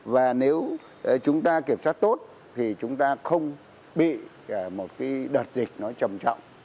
và nếu chúng ta kiểm soát tốt thì chúng ta không bị một cái đợt dịch nó trầm trọng